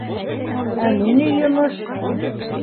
Әле ни йомош?